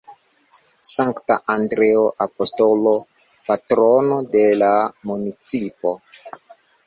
Sankta Andreo Apostolo, Patrono de la municipo.